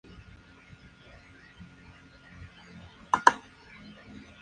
Es aeropuerto sirve como centro de conexión para la red aeroportuaria transeuropea.